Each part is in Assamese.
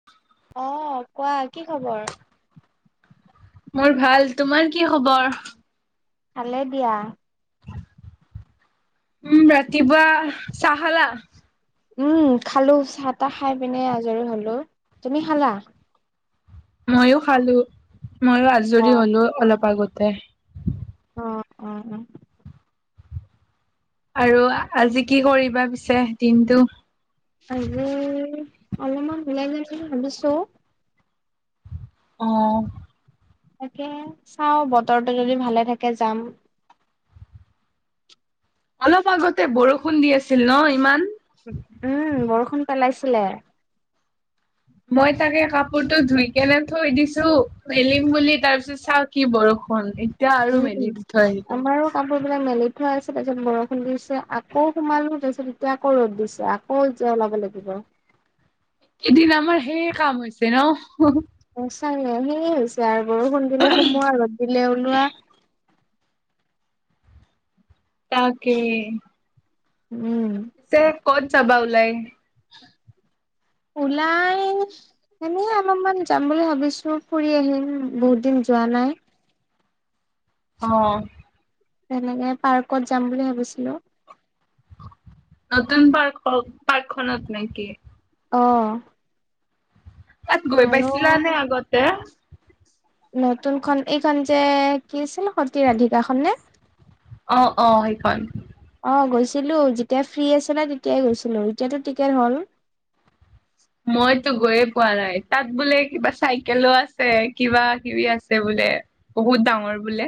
[inaudible] অ কোৱা। কি খবৰ? মোৰ ভাল, তোমাৰ কি খবৰ? ভালে দিয়া। উম, ৰাতিপুৱা চাহ খালা? উম খালো, চাহ-তাহ খাই পিনে আজৰি হ'লো। তুমি খালা? মইয়ো খালো, ময়ো অ আজৰি হ'লো অলপ আগতে। অ, অ, অ। আৰু আজি কি কৰিবা পিছে দিনটো? আজি অলপমান ওলাই যাম বুলি ভাবিছো। অ। তাকে চাও বতৰটো যদি ভালে থাকে যাম। অলপ আগতে বৰষুণ দি আছিল ন ইমান? উম বৰষুণ পেলাইছিলে। মই তাকে কাপোৰতটো ধুই কেনে থৈ দিছো মেলিম বুলি তাৰ পিছত চাও কি বৰষুণ এতিয়া আৰু উম মেলি থৈ আহিলো। আমাৰো কাপোৰ বিলাক মেলি থৈ আছে তাৰপিছত বৰষুণ দিছে আকৌ সোমালো তাৰপিছত এতিয়া আকৌ ৰ'দ দিছে আকৌ অ য ওলাব লাগিব৷ এদিন আমাৰ সেই কাম হৈছে ন। [unintelligible] সচাঁকে সেয়ে হৈছে আৰু বৰষুণ দিলে সোমোৱা লগত দিলে ওলোৱা৷ তাকেই! উম পিছে ক'ত যাবা ওলাই? ওলাই এনে অলপমান যাম বুলি ভাবিছো ফুৰি আহিম বহুত দিন যোৱা নাই৷ অ তেনেকে পাৰ্কত যাম বুলি ভাবিছিলো৷ নতুন পাৰ্ক-পাৰ্ক খনত নেকি? অ তাত গৈ আৰু পাইছিলা নে আগতে? নতুন খন এইখন যে কি আছিল সতী ৰাধিকাখন নে? অ - অ সেইখন৷ অহ গৈছিলোঁ যেতিয়া ফ্ৰী আছিলে তেতিয়াই গৈছিলোঁ এতিয়াতো টিকেট হ'ল৷ মইতো গৈয়ে পোৱা নাই তাত বোলে কিবা চাইকেলো আছে কিবা কিবি আছে বোলে? বহুত ডাঙৰ বোলে?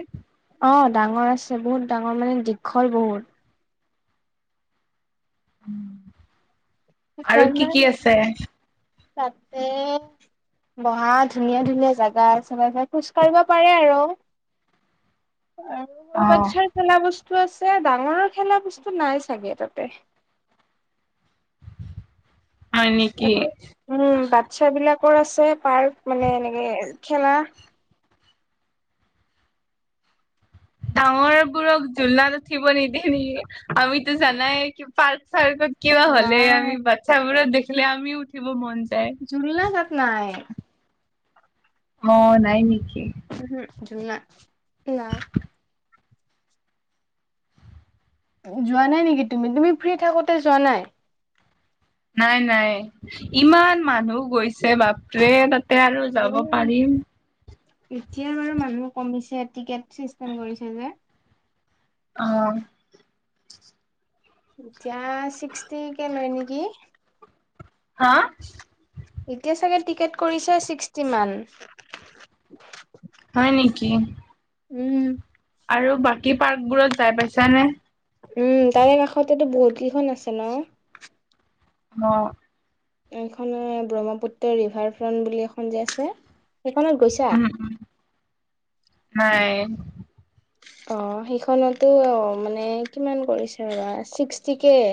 অ ডাঙৰ আছে বহুত ডাঙৰ মানে দীঘল বহুত৷ আৰু সেইকাৰণে কি কি আছে? তাতে বহা ধুনীয়া-ধুনীয়া জেগা আছে মানে খোজ কাঢ়িব পাৰে আৰু৷ আৰু অ'। বাচ্ছাৰ খেলা বস্তু আছে ডাঙৰৰ খেলা বস্তু নাই চাগে তাতে৷ হয় নেকি? তাতে উম বাচ্ছা বিলাকৰ আছে পাৰ্ক মানে এনেকে খেলা৷ ডাঙৰ বোৰক জোলনাত উঠিব নিদিয়ে নেকি আমিতো জানাই কি পাৰ্ক চাৰ্কত কিবা হ'লে নাই আমি বাচ্ছাবোৰক দেখিলে আমিও উঠিব মন যায়৷ জুলনা তাত নাই৷ অ নাই নেকি? উম হুম জুলনা নাই৷ যোৱা নাই নেকি তুমি-তুমি ফ্ৰী থাকোতে যোৱা নাই? নাই, ইমান মানুহ গৈছে বাপ তে তাতে আৰু যাব উম। পাৰিম৷ এতিয়া বাৰু মানুহ কমিছে টিকেট চিষ্টেম কৰিছে যে৷ অহ এতিয়া ছিক্সটি কে লয় নেকি? হা? এতিয়া চাগে টিকেট কৰিছে ছিক্সটি মান৷ হয় নেকি? উম। আৰু বাকী পাৰ্কবোৰত যাই পাইছানে? উম তাৰে কাষতেতো বহুত কেইখন আছে ন? অ। এইখন ব্ৰহ্মপুত্ৰ ৰিভাৰ ফ্ৰন্ট বুলি এখন যে আছে সেইখনত গৈছা? উম নাই অহ সেইখনটো মানে কিমান কৰিছে ৰ'বা ছিক্সটিকে৷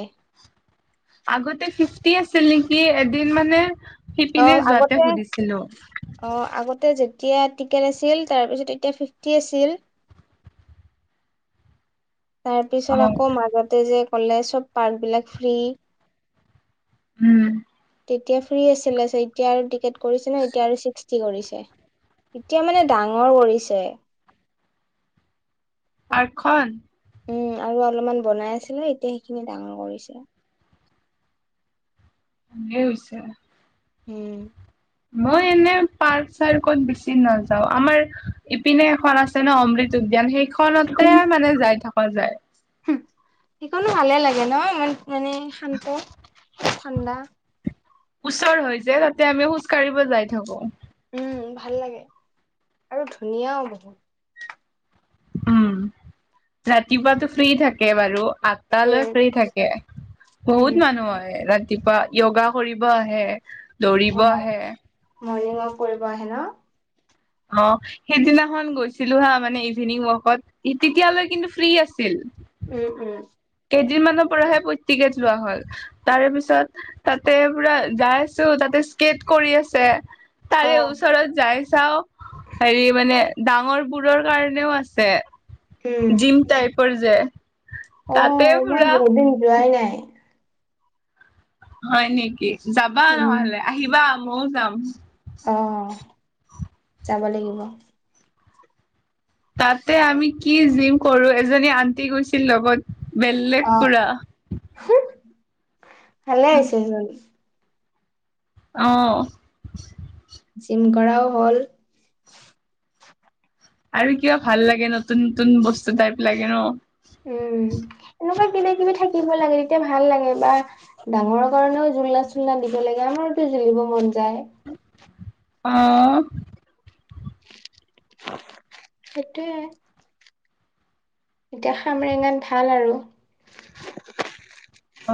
আগতে ফিফটি আছিল নেকি এদিন মানে সিপিনে যোৱাতে সুধিছিলো৷ অহ আগতে যেতিয়া টিকেট আছিল তাৰপিছত তেতিয়া ফিফটি আছিল৷ তাৰ পিছত অ' আকৌ মাজতে যে ক'লে চব পাৰ্ক বিলাক ফ্ৰী৷ উম তেতিয়া ফ্ৰী আছিলে এতিয়া আৰু টিকেট কৰিছে ন এতিয়া আৰু চিক্স কৰিছে এতিয়া মানে ডাঙৰ কৰিছে৷ পাৰ্কখন? উম আৰু অলপমান বনাই আছিলে এতিয়া সেইখিনি ডাঙৰ কৰিছে। ভালেই হৈছে। উম। মই এনে পাৰ্ক চাৰ্কত বেছি নাযাও আমাৰ ইপিনে এখন আছ ন অমৃত উদ্যান সেইখনতে মানে যাই থকা যায়। হম সিকনো ভালে লাগে ন ই মানে শান্ত ঠাণ্ডা। ওচৰ হৈ যে তাতে আমি খোজ কাঢ়িব যাই থাকো। উম ভাল লাগে আৰু ধুনীয়াও বহুত৷ উম ৰাতিপুৱাতো ফ্ৰী থাকে বাৰু আত তালৈ উম ফ্ৰী থাকে উম, বহুত মানুহ হয় ৰাতিপুৱা। য়োগা কৰিব আহে অ, দৌৰিব আহে। মৰ্ণিং ৱাক কৰিব আহে ন? অ সেইদিনাখন গৈছিলো হা মানে ইভিনিং ৱাকত তেতিয়ালৈ কিন্তু ফ্ৰী আছিল। উম-উম। কেইদিনমানৰ পৰাহে প্ৰত্যিকট যোৱা হল। তাৰে পিছত তাতে পুৰা যাই আছো তাতে স্কেট কৰি আছে। অ, তাৰে ওচৰত যাই চাও হেৰি মানে ডাঙৰ বোৰৰ কাৰণেও আছে। উম, জিম টাইপৰ যে। অ তাতে মই পুৰা বহুত দিন যোৱাই নাই। হয় নেকি যাবা উম, নহলে আহিবা মইও যাম। অ যাব লাগিব। তাতে আমি কি জিম কৰো এজনী আন্টি গৈছিল লগত বেলেগ পুৰা। হম ভালে হৈছে চোন৷ অ। জিম কৰাও হ'ল। আৰু কিবা ভাল লাগে নতুন-নতুন বস্তু টাইপ লাগে ন? উম এনেকুৱা কিবা কিবি থাকিব লাগে তেতিয়া ভাল লাগে বা ডাঙৰৰ কাৰণেও জোলনা চোলনা দিব লাগে আমাৰতো খেলিব মন যায়। অ। সেইটোৱে। এতিয়া খামৰেঙাত ভাল আৰু।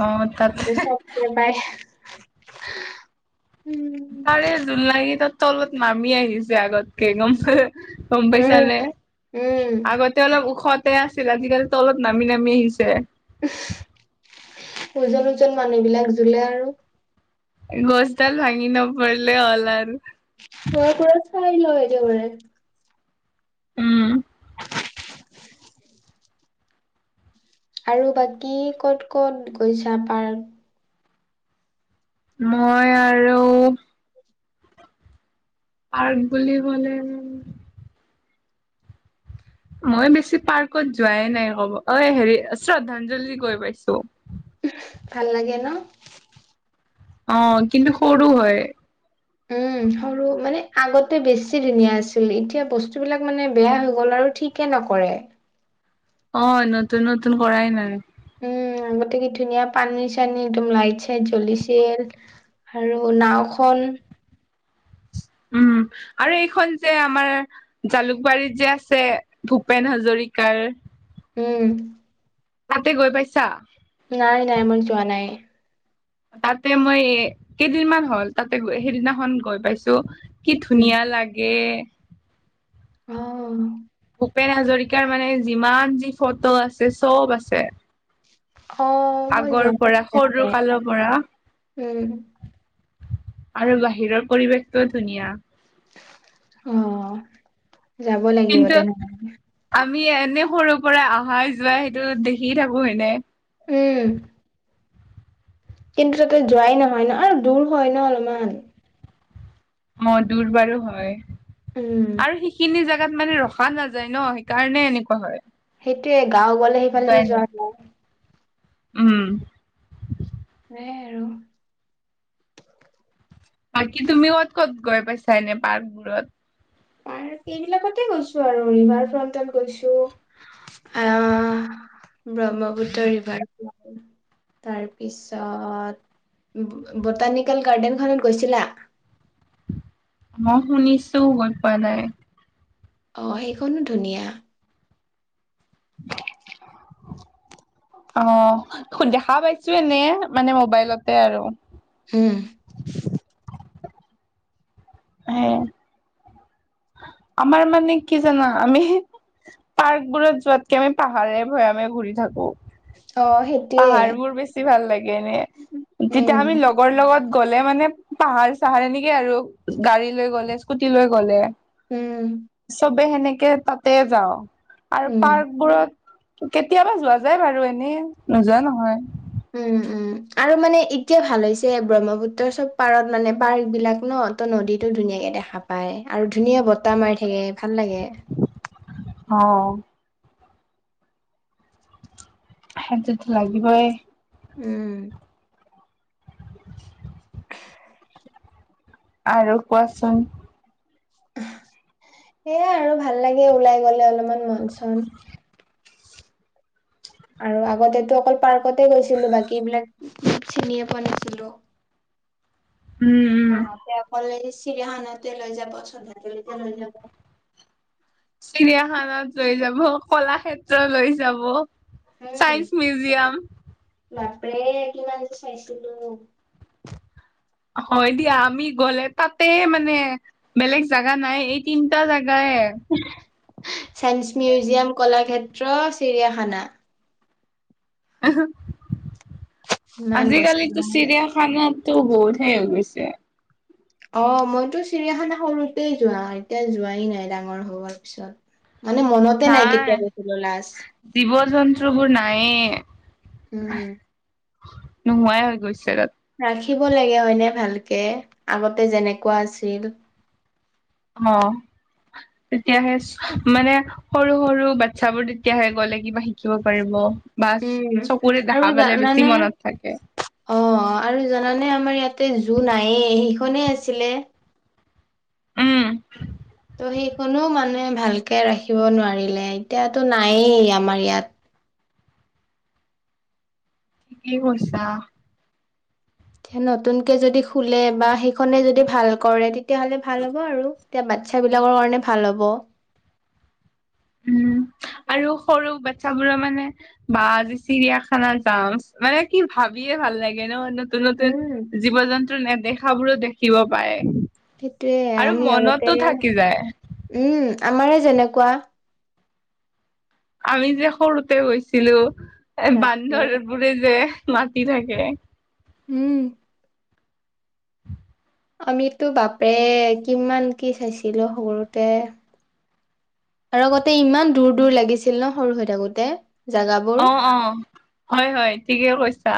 অ তাত চবে বাই হ উম। [unintelligible] তাৰে জোলনাকেটা তলত নামি আহিছে আগতকে গম পাই হে গম পাইছা উম, নে? উম, আগতে অলপ ওখতে আছিলে আজিকালি তলত নামি নামি আহিছে। উমহ ওজন-ওজন মানুহ বিলাক জোলে আৰু। গছডাল ভাঙি ন পৰিলে হ'ল আৰু। অ ক চাইল একেবাৰে। [unintelligible] উম আৰু বাকী ক'ত-ক'ত গৈছা পাৰ্ক? মই আৰু। পাৰ্ক বুলি কলে উম। মই বেছি পাৰ্কত যোৱাই নাই ক'ব অ হেৰি শ্ৰদ্ধাঞ্জলি গৈ পাইছো। ভাল লাগে ন। অ কিন্তু সৰু হয়। উম সৰু মানে আগতে বেছি ধুনীয়া আছিল এতিয়া বস্তুবিলাক মানে বেয়া হৈ গ'ল আৰু ঠিক- কে নকৰে। অ নতুন নতুন কৰাই নাই। উম আগতে কি ধুনীয়া পানী চানী একদম লাইট চাইট জ্বলিছিল। আৰু নাওখন। উম আৰু এইখন যে আমাৰ জালুকবাৰীত যে আছে। ভূপেন হাজৰিকাৰ। উম তাতে গৈ পাইছা। নাই নাই মই যোৱা নাই। তাতে মই এ কেইদিনমান হ'ল তাতে সেইদিনাখন গৈ পাইছো। কি উম ধুনীয়া লাগে। অ ভূপেন হাজৰিকাৰ মানে যিমান যি ফটো আছে চব আছে। অ মই আগৰ যোৱা নাই পৰা সৰু তাতে কালৰ পৰা। উম আৰু বাহিৰৰ পৰিৱেশটোও ধুনীয়া। অ, যাব লাগিব কিন্তু তেনেহলে। আমি এনে সৰুৰ পৰাই আহাই যোৱাই সেইটো দেখি থাকো হয়নে। উম কিন্তু তাতে যোৱাই নহয় ন আৰু দূৰ হয় ন অলমান। অ দূৰ বাৰু হয় উম আৰু সিখিনি জাগাত মানে ৰখা নাযায় ন সেইকাৰণে এনেকুৱা হয়। সেইটোৱে গাঁও গলে সেইফালে দি যোৱাই ন যোৱা হয়। উম সেয়াই আৰু বাকী তুমি ক'ত ক'ত গৈ পাইছা এনে পাৰ্কবোৰত। পাৰ্ক এইবিলাকতে গৈছো আৰু ৰিভাৰ ফ্ৰন্টেন গৈছো। আহ ব্ৰহ্মপুত্ৰ ৰিভাৰ- তাৰপিছত বটানিকেল গাৰ্ডেনখনত গৈছিলা। ম শুনিছো গৈ পোৱা নাই। অঁ সেইখনো ধুনীয়া। [unintelligible] অ খো দেখা পাইছো এনে মানে মোবাইলতে আৰু। উম সেয়াই আমাৰ মানে কি জানা আমি- পাৰ্ক বোৰত যোৱাতকে আমি পাহাৰে ভৈয়ামে ঘূৰি থাকো। অ সেই- পাহাৰ বোৰ বেছি ভাল লাগে এনে, তেতিয়া উম আমি লগ- লগৰ লগত গ'লে মানে পাহাৰ চাহাৰ এনেকে আৰু গাড়ী লৈ গ'লে স্কুটি লৈ গ'লে। উম চবে সেনেকে তাতে যাওঁ আৰু উম পাৰ্কবোৰত। কেতিয়াবা যোৱা যাই বাৰু এনেই নোযোৱা নহয়। উম উম আৰু মানে এতিয়া ভাল হৈছে ব্ৰহ্মপুত্ৰৰ চব পাৰত মানে পাৰ্ক বিলাক ন। নদীটো ধুনীয়াকে দেখা পায় আৰু ধুনীয়া বতাহ মাৰি থাকে ভাল লাগে৷ অ সেইটোটো লাগিবই৷ উম [inaudible] আৰু কোৱাচোন৷ সেয়াই আৰু ভাল লাগে ওলাই গলে অলপমান মন চন৷ আৰু আগতেতো অকল পাৰ্কতে গৈছিলো বাকী এইবিলাক চিনিয়ে পোৱা নাছিলো৷ উম অ উম সেয়া অকল চিৰিয়াখানা তে লৈ যাব শ্ৰদ্ধাঞ্জলিতে লৈ যাব৷ চিৰিয়াখানাত লৈ যাব কলাক্ষেত্ৰ লৈ যাব৷ উম চাইন্স মিউজিয়াম৷ বাপৰে কিমান যে চাইছিলো! হয় দিয়া আমি গলে তাতে মানে বেলেগ জাগা নাই এই তিনটা জেগায়৷ চাইন্স মিউজিয়াম, কলাক্ষেত্ৰ, চিৰিয়াখানা৷ ইমান আজিকালিটো গৈছিলো চিৰিয়াখানাত টো বহুত হে হৈ গৈছে৷ অ মইতো চিৰিয়াখানা সৰুতেই যোৱা এতিয়া যোৱাই নাই ডাঙৰ হোৱাৰ পিছত৷ মানে মনত নাই জীৱ জন্তু বোৰ নায়েই৷ উম নোহোৱাই হৈ গৈছে তাত৷ ৰাখিব লাগে হয়নে ভালকে আগতে যেনেকুৱা আছিল৷ অ তেতিয়াহে মানে সৰু সৰু বাচ্ছাবোৰ তেতিয়াহে গ'লে কিবা শিকিব পাৰিব৷ বা উম চকুৰে আৰু দেখা পালে বেছি জানানে মনত থাকে৷ অ আৰু জানানে আমাৰ ইয়াতে জু নাইয়ে সেইখনেই আছিলে৷ উম ত' সেইখনো মানুহে ভালকে ৰাখিব নোৱাৰিলে এতিয়াতো নায়েই আমাৰ ইয়াত৷ ঠিকে কৈছা৷ এ নতুনকে যদি খুলে বা সেইখনে যদি ভাল কৰে তেতিয়াহ'লে ভাল হ'ব আৰু৷ এতিয়া বাচ্ছা বিলাকৰ কাৰণে ভাল হ'ব৷ উম [inaudible] আৰু সৰু বাচ্ছাবোৰ মানে বা আজি চিৰিয়াখানা যাম মানে কি ভাবিয়ে ভাল লাগে ন নতুন-নতুন উম। জীৱ জন্তু নেদেখাবোৰো দেখিব৷ পায় সেইটোয়ে আৰু আমি আগতে মনতো থাকি যায়৷ উম আমাৰে যেনেকুৱা৷ আমি যে সৰুতে গৈছিলো এ বাপৰে বান্দৰবোৰে যে মাতি থাকে৷ উম আমিতো বাপৰে কিমান কি চাইছিলো সৰুতে৷ আৰু আগতে ইমান দূৰ-দূৰ লাগিছিল ন সৰু হৈ থাকোতে? জাগাবোৰ অ-অ হয়-হয় ঠিকে কৈছা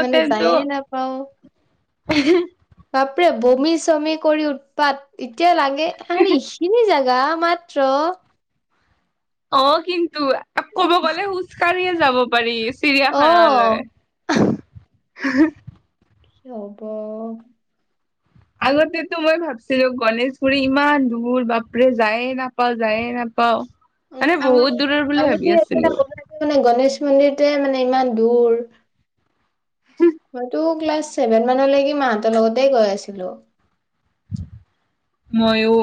মানে যায়ে নাপাও [unintelligible] বাপৰে বমি চমি কৰি উৎপাত এতিয়া লাগে আৰেই এইখ তিনি জাগা মাত্ৰ! অ কিন্তু ক'ব গ'লে খোজকাঢ়িয়ে যাব পাৰি অ চিৰিয়াখানালৈ৷ [unintelligible] কি হ'ব? আগতেতো মই ভাবছিলো গণেশগুৰি ইমান দূৰ বাপৰে যায়ে নাপাওঁ যায়ে নাপাওঁ। উম মানে আমাৰ বহুত দূৰৰ বুলি আমি কি ভাবি একেটা আছিলো। গণেশ মানে গণেশ মন্দিৰতে মানে ইমান দূৰ। মইতো ক্লাছ ছেভেন মানলৈকে মাহঁতৰ লগতে গৈ আছিলো। মইয়ো।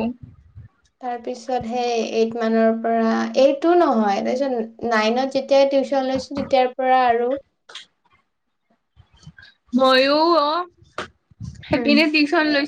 তাৰপিছত হে এইট মানৰ পৰা এইটো নহয় তাৰপিছত নাইনত যেতিয়াই টিউচন লৈছো। যেতিয়াৰ পৰা আৰু পি পা মইয়ো অ ঠক হম সেপিনে টিউচন লৈছোঁ।